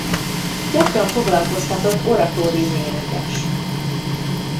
Gyakran foglalkoztatott oratórium-énekes.